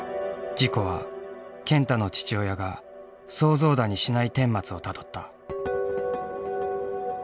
事故は健太の父親が想像だにしない顛末をたどった。